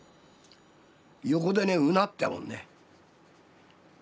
横でねうなってたもんね。